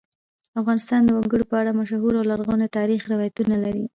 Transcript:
افغانستان د وګړي په اړه مشهور او لرغوني تاریخی روایتونه لري.